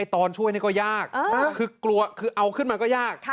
ไอ้ตอนช่วยนี่ก็ยากเอาขึ้นมาก็ยาก